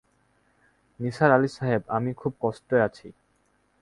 নিসার আলি সাহেব, আমি খুব কষ্ট আছি।